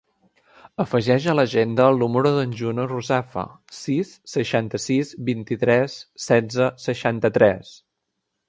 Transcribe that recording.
Afegeix a l'agenda el número de la Juno Ruzafa: sis, seixanta-sis, vint-i-tres, setze, seixanta-tres.